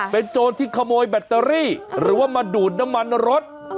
เป็นโจรที่ขโมยแบตเตอรี่หรือว่ามาดูดน้ำมันรถ